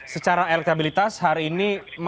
secara elektabilitas hari ini